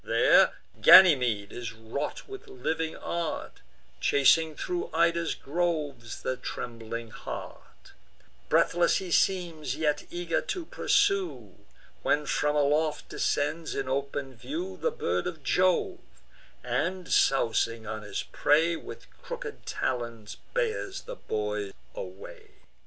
There Ganymede is wrought with living art, Chasing thro' Ida's groves the trembling hart: Breathless he seems, yet eager to pursue; When from aloft descends, in open view, The bird of Jove, and, sousing on his prey, With crooked talons bears the boy away.